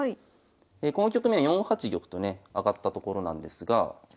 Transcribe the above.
この局面４八玉とね上がったところなんですが。